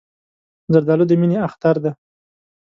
زردالو د مینې اختر دی.